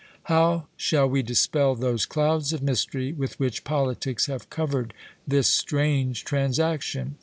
How shall we dispel those clouds of mystery with which politics have covered this strange transaction?